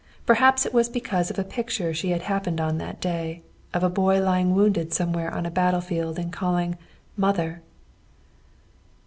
Perhaps it was because of a picture she had happened on that day, of a boy lying wounded somewhere on a battlefield and calling "Mother!"